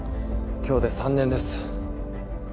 今日で３年です。